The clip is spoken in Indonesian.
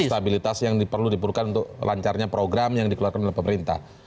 stabilitas yang perlu diperlukan untuk lancarnya program yang dikeluarkan oleh pemerintah